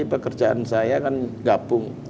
pekerjaan saya kan gabung